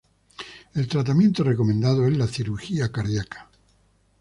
El tratamiento recomendado es la cirugía cardíaca.